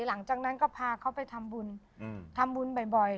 หลังจากนั้นก็พาเขาไปทำบุญ